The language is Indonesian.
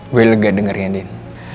gue lega denger ya din